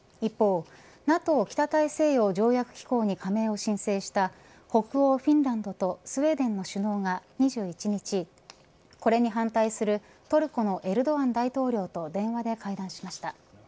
一方、ＮＡＴＯ北大西洋条約機構に加盟を申請した北欧フィンランドとスウェーデンの首脳が２１日、これに反対するトルコのエルドアン大統領と電話で会談しました。